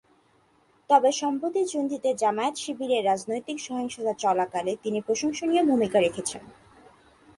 তবে সম্প্রতি চুনতিতে জামায়াত-শিবিরের রাজনৈতিক সহিংসতা চলাকালে তিনি প্রশংসনীয় ভূমিকা রেখেছেন।